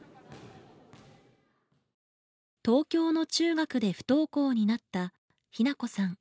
東京の中学で不登校になった日菜子さん。